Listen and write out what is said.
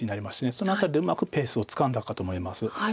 その辺りでうまくペースをつかんだかと思います。